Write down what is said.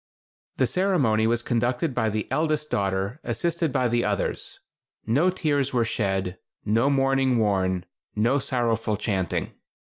The ceremony was conducted by the eldest daughter, assisted by the others. No tears were shed; no mourning worn; no sorrowful chanting.